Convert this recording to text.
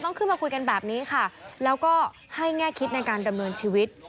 ขึ้นมาคุยกันแบบนี้ค่ะแล้วก็ให้แง่คิดในการดำเนินชีวิต